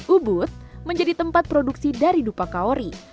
ubud menjadi tempat produksi dari dupa kaori